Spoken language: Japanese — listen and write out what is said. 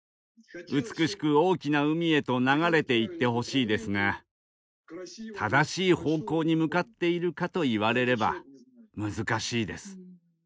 美しく大きな海へと流れていってほしいですが正しい方向に向かっているかと言われれば難しいです。